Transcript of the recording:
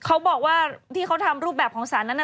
เขาบอกว่าที่เขาทำรูปแบบของสารนั้น